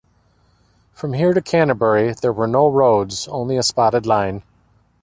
From here to Canterbury there were no roads only a spotted line.